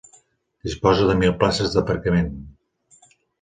Disposa de mil places d'aparcament.